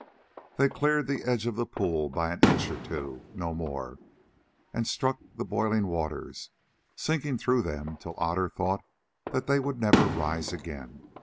They cleared the edge of the pool by an inch or two—no more, and struck the boiling waters, sinking through them till Otter thought they would never rise again.